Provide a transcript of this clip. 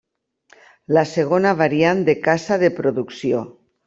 La segona variant de caça de producció.